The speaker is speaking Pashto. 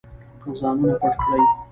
ځانونه پټ کړئ.